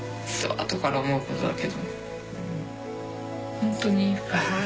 あとから思うことだけどね。